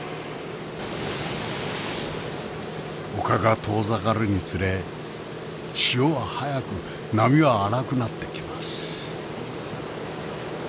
陸が遠ざかるにつれ潮は速く波は荒くなってきます。